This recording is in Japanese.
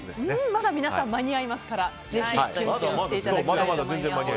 まだ皆さん間に合いますからぜひきゅんきゅんしていただきたいと思います。